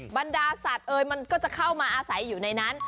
บรรดาสัตว์เอ่ยมันก็จะเข้ามาอาศัยอยู่ในนั้น